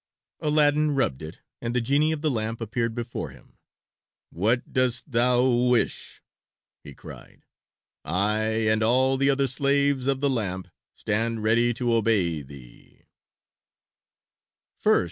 Aladdin rubbed it, and the genie of the lamp appeared before him. "What dost thou wish?" he cried. "I and all the other slaves of the lamp stand ready to obey thee."